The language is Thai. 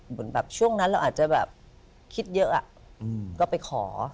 เหมือนแบบช่วงนั้นเราอาจจะแบบคิดเยอะก็ไปขอ